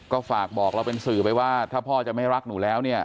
ก็ฝากบอกเราเป็นสื่อไปว่าถ้าพ่อจะไม่รักหนูแล้วเนี่ย